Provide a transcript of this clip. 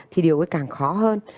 thì điều càng khó hơn